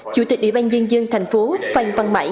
chủ tịch ủy ban nhân dân thành phố phan văn mãi